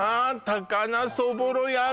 高菜そぼろ奴